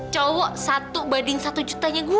cowok satu banding satu juta nya gue